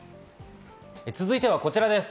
続いてはこちらです。